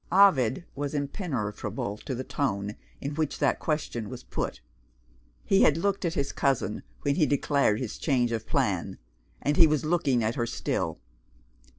Ovid was impenetrable to the tone in which that question was put. He had looked at his cousin, when he declared his change of plan and he was looking at her still.